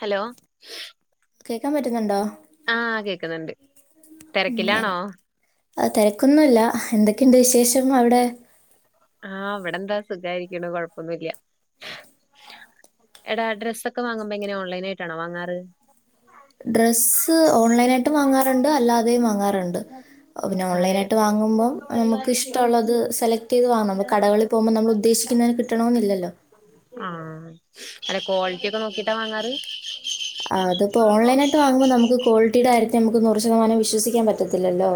Hello കേൾക്കാൻ പറ്റുന്നുണ്ടോ ആഹ് കേക്കുന്നുണ്ട് തിരക്കിലാണോ ആഹ് തിരക്കൊന്നുഇല്ല എന്തൊക്കെയുണ്ട് വിശേഷം അവിടെ ആഹ് ഇവിടെന്താ സുഖായിരിക്കണു കൊഴപ്പൊന്നുല്യ എടാ അഡ്രസ് ഒക്കെ വാങ്ങുമ്പോ എങ്ങനെയാ ഓൺലൈനായിട്ടാണോ വാങ്ങാറ് ഡ്രസ്സ് ഓൺലൈനായിട്ടും വാങ്ങാറുണ്ട് അല്ലാതെയും വാങ്ങാറുണ്ട് [inaudible] പിന്നെ അതെ ഓൺലൈനായിട്ട് വാങ്ങുമ്പം നമുക്ക് ഇഷ്ടമുള്ളത് സെലക്ട് ചെയ്ത് വാങ്ങണം നമ്മൾ കടകളി പോകുമ്പോ നമ്മള് ഉദ്ദേശിക്കന്നെ കിട്ടണോന്നില്ലല്ലോ ആഹ് അല്ല ക്വാളിറ്റി ഒക്കെ നോക്കിട്ടാ വാങ്ങാറ് ആ അതിപ്പോ ഓൺലൈനായിട്ട് വാങ്ങുമ്പോ നമുക്ക് കോ ളിറ്റിയുടെ കാര്യത്തി നമുക്ക് നൂറ് ശതമാനം വിശ്വസിക്കാൻ പറ്റത്തില്ലല്ലോ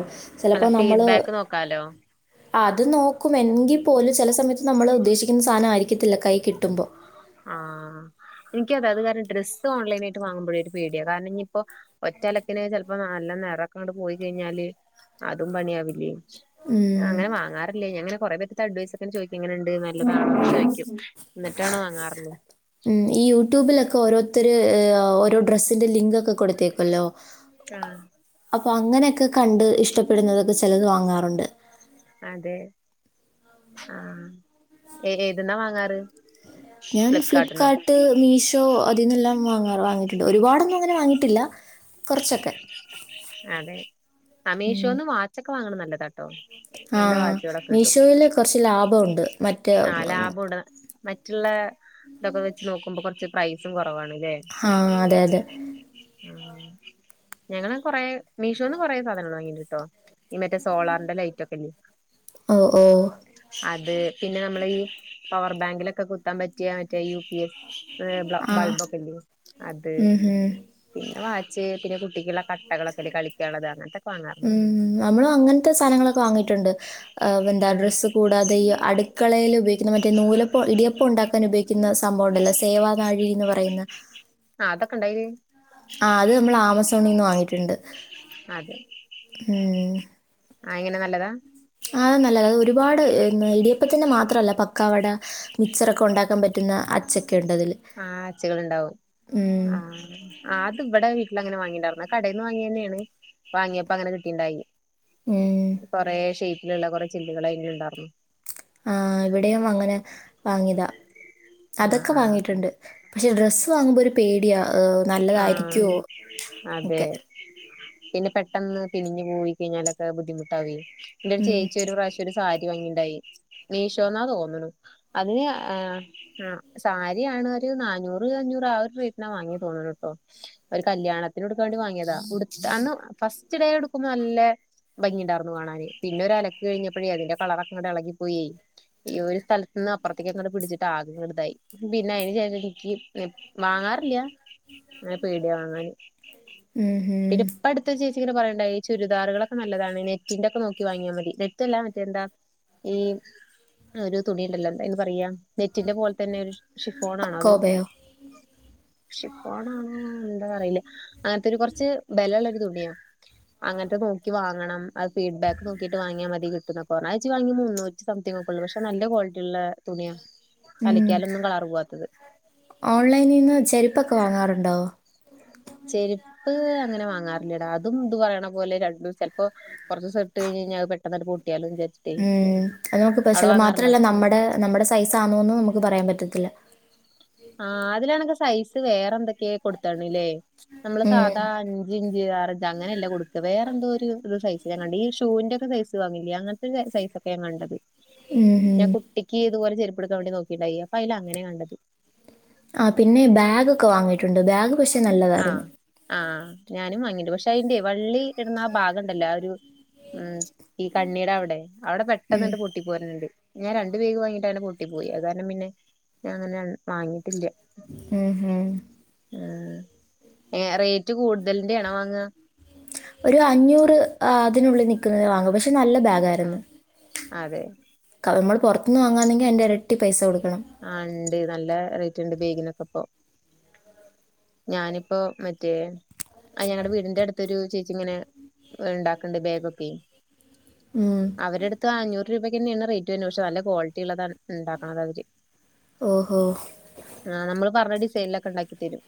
അല്ല ചിലപ്പോ നമ്മള് ഫീഡ്ബാക്ക് നോക്കാലോ അത് നോക്കും എങ്കിൽ പോലും ചില സമയത്ത് നമ്മൾ ഉദ്ദേശിക്കുന്ന സാധനം ആയിരിക്കത്തില്ല കൈ കിട്ടുമ്പോ ആഹ് എനിക്കതെ അത് കാരണം ഡ്രസ്സ് ഓൺലൈനായിട്ട് വാങ്ങുമ്പോഴേ ഒരു പേടിയ കാരണം ഇനിയിപ്പോ ഒറ്റലക്കിന് ചെലപ്പോ നല്ല നിറൊക്കെണ്ട് പോയി കഴിഞ്ഞാല് അതും പണിയാവില്ലേ കിട്ടുമ്പോൾ ഞാൻഅങ്ങനെ വാങ്ങാറില്ലെ ഞാനിങ്ങനെ കൊറെ പേരുടെ അടുത്ത് അഡ്വൈസ് ഒക്കെ ചോദിക്കും എങ്ങനെണ്ട് നല്ലതാണോ ചോദിക്കും എന്നിട്ടാണോ വാങ്ങാർഞ്ഞെ ഉം ഈ യൂട്യൂബിലൊക്കെ ഓരോരുത്തർ ഓരോ ഡ്രസ്സിന്റെ ലിങ്ക് ഒക്കെ കൊടു ത്തേക്കല്ലോ ആഹ് അപ്പൊ അങ്ങനെയൊക്കെ കണ്ട് ഇഷ്ടപ്പെടുന്നതൊക്കെ ചിലത് വാങ്ങാറുണ്ട് അതെ ആഹ് ഏത് ന്നാ വാങ്ങാറ് ഞാൻ ഫ്ലിപ്കാർട്ടിന്നോ ഫ്ലിപ്പ്കാർട്ട് മീഷോ അതിൽന്നെല്ലാം വാങ്ങാ വാങ്ങിട്ടുണ്ട് ഒരുപാടൊന്നും അങ്ങനെ വാങ്ങിട്ടില്ല കുറച്ചൊക്കെ അതെ അമീഷോന്ന് വാച്ചൊക്കെ വാങ്ങണ നല്ല താട്ടോ ആഹ് മീഷോയില് കുറച്ച് ലാഭമുണ്ട് മറ്റേ കൂട മറ്റുള്ള ഇതൊക്കെ വെച്ച് നോക്കുമ്പോൾ കുറച്ച് പ്രൈസും കുറവാണ് ഇല്ലെ ആഹ് അതെ അതെ അഹ് ഞങ്ങള് കൊറേ മീഷോന്ന് കൊറേ സാധനങ്ങള് വാങ്ങീണ്ട്ട്ടോ ഈ മറ്റേ സോളാറിന്റെ ലൈ റ്റൊക്കെല്ലെ ഓഹ് ഓഹ് അത് പിന്നെ നമ്മളെ ഈ പവർ ബാങ്കിലൊക്കെ കുത്താം പറ്റിയ മറ്റേ യു പി എഫ് ബൾ ആ. ബൾബൊക്കെല്ല്യേ അത് ഉം. ഹും. പിന്നെ വാച്ച് പിന്നെ കുട്ടിക്ക്ള്ള കട്ടകളൊക്കെല്ലെ കളിക്കാനുള്ളത് അങ്ങൻത്തൊക്കെ വാങ്ങാ - ഉം നമ്മള് അങ്ങൻത്തെ സാനങ്ങളൊക്കെ വാങ്ങിട്ടുണ്ട് ഹ് വെന്താ ആഹ് ഡ്രസ്സ് കൂടാതെ ഈ അടുക്കളയിൽ ഉപയോഗി ക്കുന്ന മറ്റേ നൂലപ്പ ഇടിയപ്പം ഉണ്ടാക്കാൻ ഉപയോഗിക്കുന്ന സംഭവംണ്ടല്ലോ സേവാ നാഴി എന്ന് പറയുന്ന ആഹ് അതൊക്കെണ്ടയില് ആഹ് അത് നമ്മള് ആമസോണീന്ന് വാങ്ങിട്ടുണ്ട് അതെ ഉം അഎങ്ങനെ നല്ലതാ അ നല്ലത അത് ഒരുപാട് ഇടിയപ്പത്തിന് മാത്രല്ല പക്കാവട മിച്ചറൊക്കെ ഉണ്ടാക്കാൻ പറ്റുന്ന അച്ചൊക്കെ ഉണ്ട് അതില് ആഹ് അച്ച്കൾ ഇണ്ടാവും ആഹ് ആഹ് അത് ഇബടെ വീട്ടിലങ്ങനെ വാങ്ങിണ്ടായ്രുന്നു കടേന്ന് വാങ്ങിയന്നേണ് വാങ്ങിയപ്പങ്ങനെ കിട്ടീണ്ടായിനി ഉം കൊറേ ഷെയ്പ്പ്ല്ള്ള കൊറേ ചില്ല്കള് അയില്ണ്ടായിർന്നു ആഹ് ഇവിടെയും അങ്ങനെ വാങ്ങിയതാ ആഹ് അതൊക്കെ ആഹ് വാങ്ങിട്ടുണ്ട് പക്ഷെ ഡ്രസ്സ് വാങ്ങുമ്പോ ഒരു പേടിയാ ആഹ് നല്ലതായിരിക്കോ അതെ ഒക്കെ പിന്നെ പെട്ടെന്ന് പിനിഞ്ഞ് പോയി കഴിഞ്ഞാലൊക്കെ ബുദ്ധിമുട്ടാവേ പിന്നൊരു മ്മ്. ചേച്ചി ഒര് പ്രാവശ്യം ഒരു സാരി വാങ്ങിണ്ടായി മീശോന്നാ തോന്ന്ണ് അതിന് ആഹ് ആഹ് സാരിയാണ് ഒരു നാനൂറ് അഞ്ഞൂറ് ആ ഒരു റേറ്റിനാ വാങ്ങി തോന്ന്ണ് ട്ടോ ഒരു കല്യാണത്തിന് ഉടുക്കാം വേണ്ടി വാങ്ങിയതാ ഉടു അന്ന് ഫസ്റ്റ് ഡേ ഉടുക്കുമ്പോ നല്ല ഭംഗിണ്ടായിരുന്നു കാണാന് പിന്നെ ഒരലക്ക് കഴിഞ്ഞപ്പഴേ അതിന്റെ കളറൊക്കെങ്ങട്ട് ഇളകി പോയി ഈ ഒരു സ്ഥലത്ത്ന്ന് അപ്പറത്തേക്ക്ങ്ങട്ട് പിടിച്ചിട്ട് ആകങ്ങെട്ട് ഇതായി പിന്നെ അയിന് ഷേഷം ഇൻക്ക് വാങ്ങാറില്ല അനെ പേടിയാ വാങ്ങാന് ഉം ഹും പിന്നെ ഇപ്പട്ത്ത് ഒര് ചേച്ചിങ്ങനെ പറയ്ണ്ടായി ചുരിദാറുകളൊക്കെ നല്ലതാണ് നെറ്റിന്റെ ഒക്കെ നോക്കി വാങ്ങിയാ മതി നെറ്റ് അല്ല മറ്റേന്താ ഈ ഒരു തുണിണ്ടല്ലോ എന്താ അയിന് പറയാ നെറ്റിന്റെ പോലെ തന്നെണ് ശിഫോണാണൊ അത് അക്കോബയോ ശിഫ് ഫോണാണോ എന്താന്നറീല്ല അങ്ങനത്തൊരു കൊറച്ച് ബലള്ളൊരു തുണിയാ അങ്ങൻത്തെ നോക്കി വാങ്ങണം അത് ഫീഡ്ബാക്ക് നോക്കിട്ട് വാങ്ങിയാ മതി കിട്ടുന്നൊക്കെ ആ ഏജ് വാങ്ങിയ മുന്നൂ സംതിങ്ങക്കൊള്ളൂ പക്ഷെ നല്ല ക്വാളിറ്റിള്ള തുണിയാ അലക്കിയാലൊന്നും കളർ പോവാത്തത് ഓൺലൈനിന്ന് ചെരുപ്പൊക്കെ വാങ്ങാറുണ്ടോ ചെരുപ്പ് അങ്ങനെ വാങ്ങാറില്ലടാ അതും ഇതു പറയ്ണ പോലെ രണ്ടും ചെൽപ്പോ കൊറച്ചൂസം ഇട്ട് കഴിഞ്ഞയിഞ്ഞാ അവ് പെട്ടന്നാട്ട് പൊട്ടിയാലൊ വിചാരിച്ച് മ് അതനമക്ക് പെശല് മാത്രല്ല നമ്മടെ നമ്മടെ സൈസാണോന്നു നമക്ക് പറയാപറ്റത്തില്ല ആ അതിലാണങ്കി സൈസ് വേറെ എന്തെക്കേ കൊടുത്താണ്ല്ലേ നമ്മള് ഉം സാധാ അഞ്ചിഞ്ച് ആറിഞ്ച് അങ്ങനെയല്ലെ കൊടുക്ക വേറെന്തോരു സൈസ് ഞാനീ ഈ ഷൂന്റെക്കെ സൈസ് വാങ്ങില്ലേ അങ്ങന്ത്ത്തെ സൈസൊകെ ഞാൻ കണ്ടത് മ് ഞാ കുട്ടിക്ക് ഇതുപോലെ ചെരുപ്പ്ടുക്കാൻ വേണ്ടി നോക്കിണ്ടായി അപ്പയില് അങ്ങനെ കണ്ടത് ആ പിന്നെ ബാഗ് ഒക്കെ വാങ്ങിയിട്ടുണ്ട് ബാഗ് പക്ഷെ അ നല്ലതായിരുന്നു ആ ഞാനും വങ്ങീണ്ട് പക്ഷെ അയിന്റെ വള്ളി ഇട്ണ ആ ഭാഗണ്ടല്ലൊ ആ ഒരു മ് സ് ഈ കണ്ണീടെ അവ്ടെ അവ്ടെ പെട്ടെന്ന് ഉം ണ്ട് പൊട്ട് ട്ടി പോര്ല്ണ്ട് ഞാൻ രണ്ടു ബേഗ് വാങ്ങിട്ട് അങ്ങനെ പൊട്ടി പോയി അത് കാരണം പിന്നെ ഞാൻ അങ്ങനെ വാങ്ങിട്ടില്ല മ് മ് ആ റേറ്റ് കൂടുതലിന്റെണോ വാങ്ങാ ഒരു അഞ്ഞൂറ് ആ അതിനുള്ളിൽ നിക്കുന്നതേ വാങ്ങ പക്ഷെ നല്ല ബാഗ് രുന്നു ആഹ് അതെ കവ് മ്മൾ പൊറത്ത്ന്ന് വാങ്ങാണെങ്കി അയിൻ്റെ എരട്ടി പൈസ കൊടുക്കണം ആ ണ്ട് നല്ല റേറ്റ്ണ്ട് ബേഗിനൊക്കെപ്പൊ ഞാനിപ്പോ മറ്റേ ആ ഞങ്ങള്ടെ വീടിന്റെ അടുത്തൊരു ചേച്ചി ഇങ്ങനെ ഇണ്ടാക്കണ്ട് ബേഗൊക്കെ ആ അവരെടുത്ത് അഞ്ഞൂറ് രൂപയ്ക്കെന്നെയാണ് റേറ്റ് വെര്ണത് ക്ഷെ നല്ല ക്വാളിറ്റിള്ളാണ് ണ്ടാക്ക്ണതാവര് ഓഹോ ആ നമ്മള് പറഞ്ഞ ഡിസൈനിലൊക്കെ ണ്ടാക്കി തരും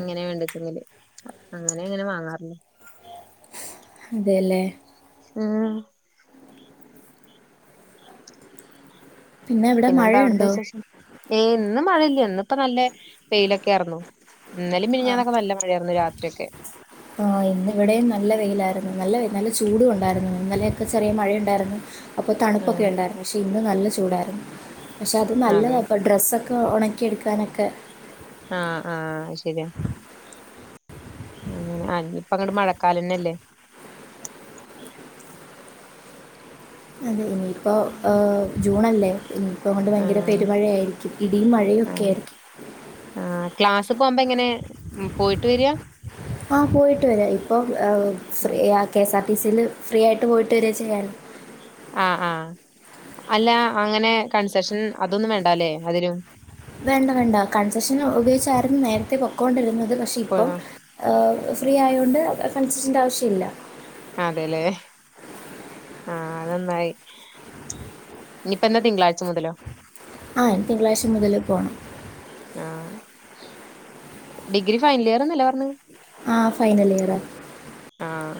എങ്ങനെ വേണ്ടച്ചെങ്കില് അങ്ങനെ ഇങ്ങനെ വാങ്ങാറില്ല അതേല്ലേ മ് പിന്നെ ഇവിടെ പിന്നെന്താ അവിടത്തെ മഴയുണ്ടോ വിശേഷം ഏ ഇന്നു മഴല്ല ഇന്ന്പ്പോ നല്ല വെയിലൊക്കേർന്നു ഇന്നലേം മിഞ്ഞാന്നൊക്കെ നല്ല മഴയായിരുന്നു രാത്രി ഒക്കെ ആ ഇന്ന് ഇവിടേം നല്ല വെയിലായിരുന്നു നല്ല വെയി നല്ല ചൂടുണ്ടായിരുന്നു ഇന്നലെക്കെ ചെറിയ മഴയുണ്ടായിരുന്നു അപ്പോ ആ തണുപ്പൊക്കെ ണ്ടായിരുന്നു ക്ഷേ ഇന്ന് നല്ല ചൂടായിരുന്നു പക്ഷേ അത് നല്ലത അതെ ബെഡ് ഡ്രസ്സൊക്കെ ഒണക്കിയെടുക്കാനൊക്കെ ആ ആ ശെരിയാ മ് അനിപ്പങ്ങട്ട് മഴക്കാലന്നെല്ലേ അതെ ഇനിയിപ്പോ ഓ ജൂണല്ലേ ഇനിപ്പൊങ്ങട്ട് ഭയങ്കര ആ പെരുമഴയായിരിക്കും ഇടിയും മഴയൊക്കെ ആയിരിക്കും ആ ക്ലാസ് പോമ്പോ എങ്ങനെ മ് പോയിട്ട് വെരാ ആ പോയിട്ട് വരാ ഇപ്പം ഫ്രീ ഉം കെ സാർ ടി സില് ഫ്രീ ആയിട്ട് പോയിട്ട് വെരാ ചെയ്യാറ് ആ ആ അല്ല അങ്ങനെ കൺസെഷൻ അതൊന്നും വേണ്ടാല്ലേ അതിനും വേണ്ട വേണ്ട കൺസെഷൻ ഉപയോഗിച്ചായിരുന്നു നേരത്തെ പൊക്കോണ്ടിരുന്നത് പക്ഷെ ഇപ്പം- ഫ്രീ ആയോണ്ട് കൺസഷൻന്റെ ആവശ്യയില്ല. അതെയില്ലേ ആ അത് നന്നായി ഇനിപ്പോ എന്നാ തിങ്കളാഴ്ച മുതലോ ആഹ് ഇനി തിങ്കളാഴ്ച മുതല് പോണം ആഹ് ഡിഗ്രി ഫൈനൽ ഇയർന്നല്ലേ പറഞ് ആ ഫൈനൽ ഇയറ് ആഹ്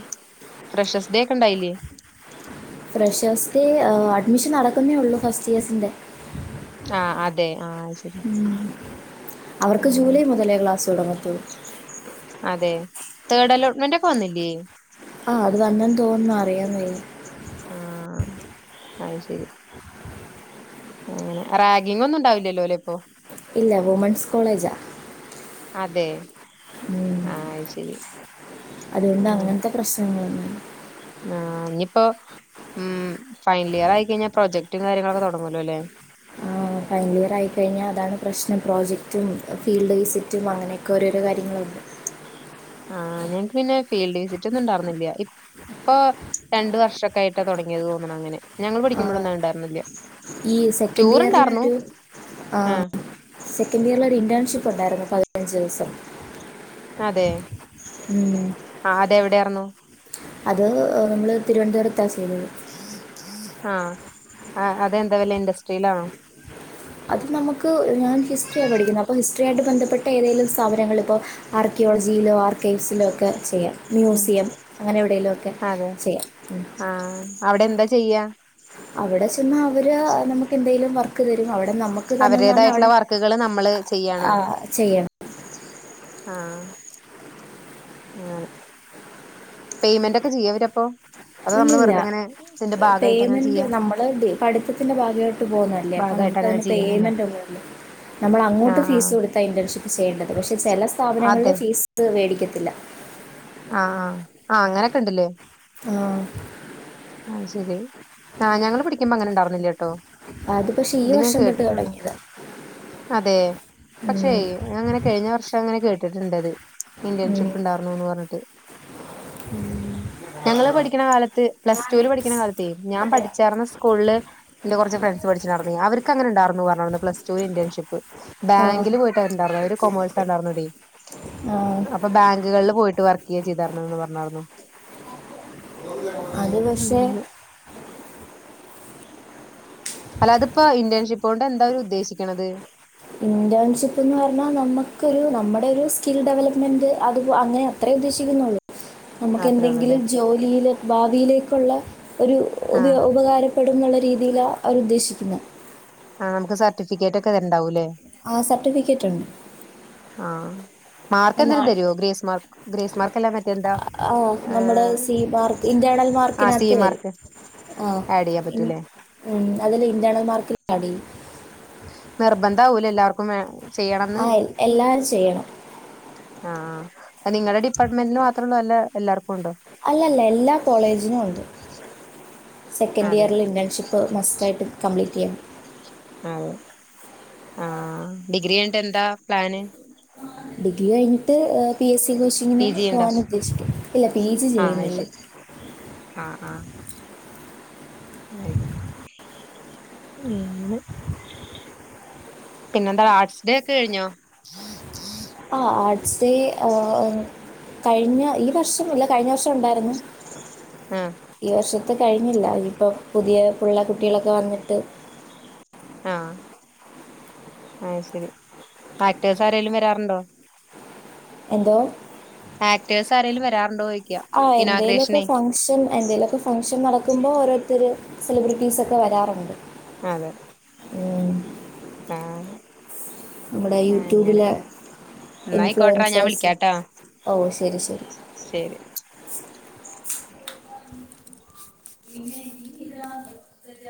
ഫ്രഷേസ്ഡേക്ക്‌ ഒണ്ടായില്ലേ? ഫ്രഷേസ്ഡേ അഡ്മിഷൻ നടക്കുന്നേ ഉള്ളൂ ഫസ്റ്റ് ഇയേഴ്സിന്റെ ആ അതെ ആ അത് ശരി. അവർക്ക് ആഹ് ജൂലൈ മുതലേ ക്ലാസ് തൊടങ്ങത്തൊള്ളൂ. അതെ തേർഡ് അലോട്ട്മെന്റ് ഒക്കെ വന്നില്ലേ ആഹ് അത് വന്നെന്ന് തോന്നുന്നു അറിയാൻ കഴി [unintelligible] ഞ ആഹ് അത് ശരി. അങ്ങനെ റാഗിങ്ങൊന്നും ഉണ്ടാവില്ലല്ലോ അല്ലേ ഇപ്പൊ ഇല്ല വുമെൻസ് കോളേജാ അതെ ആ അത് ശരി. അത് കൊണ്ട്‌ അങ്ങനെ അങ്ങനത്തെ പ്രശ്നങ്ങളൾ ഒന്നുംയില്ല ആഹ് ഇന്നിപ്പോ ഉം ഫൈനൽ ഇയർ ആയിക്കഴിഞ്ഞാ പ്രൊജക്ടും കാര്യങ്ങളൊക്കെ തൊടങ്ങല്ലോ അല്ലേ? ഫൈനൽ ഇയർ ആയിക്കഴിഞ്ഞാ അതാണ് പ്രശ്നം പ്രോജക്റ്റും ഫീൽഡ് വിസിറ്റും അങ്ങനെയൊക്കെ ഓരോരോ കാര്യങ്ങളുണ്ട്. ആഹ് ഞങ്ങക്ക് പിന്നെ ഫീൽഡ് വിസിറ്റ് ഒന്നും ഉണ്ടായിരുന്നില്ല- ഇപ്പൊ രണ്ട് വർഷൊക്കായിട്ടാ തൊടങ്ങിയത് തോന്ന്ണ് അങ്ങനെ ഞങ്ങള് ആ, പഠിക്കുമ്പോഴൊന്നും ഒണ്ടാരുന്നില്ലിയ ഈ സെക്കൻഡ് ഇയറിലെ ഒരു ആഹ്- സെക്കൻഡ് ഇയറിലൊരു ഇന്റേണ്ഷിപ്പ് ഉണ്ടായിരുന്നു പതിനഞ്ച് ദിവസം അതെ ഉം. ആഹ് അതെവിടെയാർന്നു അത് നമ്മള് തിരുവനന്തപുരത്താ ചെയ്തത് ആഹ് അ അതെന്താ വല്ല ഇൻഡസ്ട്രിയിലാണോ അത് നമുക്ക് ഞാൻ ഹിസ്റ്ററിയാ പഠിക്കുന്നത് അപ്പോ ഹിസ്റ്റിയായിട്ട് ബന്ധപ്പെട്ട ഏതേലും സ്ഥാപനങ്ങള് ഇപ്പോ- ആർക്കിയോളജിയിലോ ആർക്കൈവ്സിലോ ഒക്കെ ചെയ്യാം മ്യൂസിയം അങ്ങനെ എവിടേലും ഒക്കെ അതെ ചെയ്യാം ഉം ആഹ് അവിടെന്താ ചെയ്യ്ക അവിടെ ചെന്നാ അവര് നമുക്ക് എന്തേലും വർ വർക്ക് തരും അവിടെ നമ്മക്ക് തന്നന്ന് പറഞ്ഞ അവരുടേതായിട്ടുള്ള അവിടെ വർക്കുകള് നമ്മള് ചെയ്യാണോ ആഹ് ചെയ്യണം ആഹ് അങ്ങനെ പേയ്മെന്റൊക്കെ ചെയ്യൊ അവര് അപ്പൊ അതൊ നമ്മള് ഇല്ലില്ല വെറുതെ ഇങ്ങനെ ഇതിന്റെ ഭാഗായിട്ടങ്ങനെ ചെയ്യാ നമ്മളത് പഠിത്തിന്റെ ഭാഗായിട്ട് പോന്നല്ലേ അപ്പൊ ഭാഗായിട്ട് അങ്ങനെ നമുക്കതിന് ചെയ്യാണല്ലേ പേയ്മെന്റ് ഒന്നുയില്ല നമ്മള് അങ്ങോട്ട് ഫീസ് ആഹ് കൊടുത്ത ഇന്റേൺഷിപ്പ് ചെയ്യേണ്ടത് പക്ഷെ ചെല ആഹ് സ്ഥാപനങ്ങളില് അതെ ഫീസ് സ് വേടിക്കത്തില്ല ആഹ് ആഹ് അങ്ങനെക്കെ ഇണ്ട് ഇല്ലേ ആഹ് അത് ശരി ആഹ് ഞങ്ങള് പഠിക്കുമ്പോ അങ്ങനെ ഉണ്ടാർന്നില്ല്യട്ടോ പക്ഷെ ഈ അത് ഞാൻ വർഷം തൊട്ട് കേട്ടിട്ടൊള്ളു തുടങ്ങിയതാ അതെ ഉം, പക്ഷേയ് ഞാൻ അങ്ങനെ കയ്ഞ്ഞ വർഷ അങ്ങനെ കേട്ടിട്ട്ണ്ടത്. ഉം. ഇന്റേൺഷിപ്ണ്ടാർന്നുന്ന് പർഞ്ഞിട്ട് ഉം ഞങ്ങള് പഠിക്ക്ണ കാലത്ത് പ്ലസ് ടുല് പഠിയ്ക്ക്ണ കാലത്തെ ഞാൻ പഠിച്ചാർന്ന സ്കൂള്ള് ന്റെ കൊർച്ച് ഫ്രണ്ട്സ് പഠിചിണ്ടാർന്നെ അവർക്കങ്ങനെണ്ടാർന്നു പർഞ്ഞു പ്ലസ് ടുന്ന് ഇന്റേൺഷിപ്പ്. ആ, ബാങ്കില് പോയിട്ടാണ്ടാർന്നെ അവര് കൊമേഴ്സ ണ്ടാർന്നതേ ആ, അ അപ്പൊ ബാങ്കുകള്ള് പോയ്ട്ട് വർക്ക് ചെയ്യ ചെയ്താർന്നെന്ന് പർഞ്ഞര്ന്നു. അത് പക്ഷെ അല്ലാ അതിപ്പോ ഇന്റേൺഷിപ്പോണ്ട് എന്താ അവര് ഉദ്ദേശിക്ക്ണത്? ഇന്റേൺഷിപ്പ്ന്ന് പർഞ്ഞാ നമ്മക്കൊരു നമ്മേടൊരു സ്കിൽ ഡെവലപ്മെന്റ് അത് അങ്ങനെ അത്രേ ഉദ്ദേശിക്കുന്നൊള്ളൂ. അത്രേ ഉള്ളൂല്ലേ നമ്മക്കെന്തെങ്കിലും ജോലിയിലെ ഭാവിയിലേക്കുള്ള ഒരു ആഹ് ഉപയോ ഉപകാരം പ്പെടും ന്നുള്ള രീതിയില അവരുദ്ദേശിക്ക്ന്നെ. ആഹ് നമുക്ക് സർട്ടിഫിക്കേറ്റൊക്കെ തര്ണ്ടാവൂല്ലേ? ആഹ് സർട്ടിഫിക്കറ്റ്ണ്ട്. ആഹ് മാർക്കെന്തേലും തരോ? ഗ്രേസ് മാർക്ക് ഗ്രേസ് മാർക്കല്ല മറ്റേ എന്താ ആഹ് നമ്മടെ സി മാർക്ക് ഇന്റേണൽ മാർക്കിനത്ത് വരും. ആഡെയ്യാൻ പറ്റുല്ലേ? ഉം അതില് ഇന്റെർണൽ മാർക്കില് ആടെയ്യും. നിർബന്ധാവൂലെ എല്ലാർക്കും വേ ചെയ്യണംന്ന്? ആ എൽ- എല്ലാവരും ചെയ്യണം ആഹ് അപ്പ നിങ്ങടെ ഡിപ്പാർട്ട്മെന്റില് മാത്രൊള്ളൂ അല്ല എല്ലാർക്കുംണ്ടോ? അല്ലല്ല എല്ലാ കോളേജിനും ഉണ്ട് സെക്കൻഡ് അതെ ഇയറില് ഇന്റേൺഷി പ്പ് മസ്റ്റായിട്ട് കംപ്ലീറ്റെയ്യ. അതെ ആഹ് ഡിഗ്രി കഴിഞ്ഞിട്ടെന്താ പ്ലാന്? ഡിഗ്രി കഴിഞ്ഞിട്ട് ഏഹ് പി എസ് സി കോച്ചിങ്ങിന് പി ജി ഉണ്ടോ പോവാൻ ഉദ്ദേശിക്ക്ന്ന് ഇല്ല പി ജി അത് ചെയ്യുന്നില്ല. ശരി ആഹ് ആഹ്. ആയില്ല്യ [unintelligible] അങനെ പിന്നെന്താ ആർട്സ്ഡേ ഒക്കെ കഴിഞ്ഞോ? ആ ആട്സ് ഹേ കയ്ഞ്ഞ ഈ വർഷം ഇല്ല കയ്ഞ്ഞ വർഷം ഇണ്ടാര്ന്നു. ആഹ്. ഈ വർഷത്ത് കഴിഞ്ഞില്ല ഇനി ഇപ്പൊ പുതിയ പിള്ളേ കുട്ടികളൊക്കെ വന്നിട്ട്. ആഹ് ആത് ശരി ആക്‌ടേഴ്സ് ആരേലും വരാറുണ്ടോ? എന്തോ? ആക്ടേഴസ് ആരെേങ്കിലും വരാറുണ്ടോ ചോയ്ക്ക്യ ഇനാഗു റേഷനെ? ഷൻ എന്തേലൊക്കെ ഫംഗ്ഷൻ നടക്കുമ്പോ ഓരോര്ത്തര് സെലിബ്രിറ്റീസൊക്കെ വരാറ്ണ്ട്. അതെ ആഹ് നമ്മുടെ അങ്ങനെ യൂട്യൂബിലെ എന്നാ ആയിക്കോട്ടെടാ ഞാൻ ഇൻഫ്ലുവൻസേസ് വിളിക്കാട്ടോ ഓ ശരി ശരി. ശരി പിന്നെ [unintelligible]